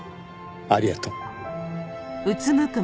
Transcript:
ありがとう。